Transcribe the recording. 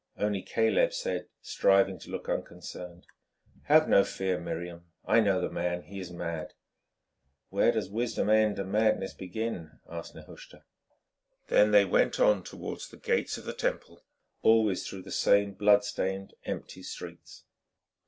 Only Caleb said, striving to look unconcerned: "Have no fear, Miriam. I know the man. He is mad." "Where does wisdom end and madness begin?" asked Nehushta. Then they went on towards the gates of the Temple, always through the same blood stained, empty streets.